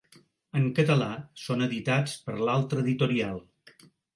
En català són editats per l'Altra Editorial.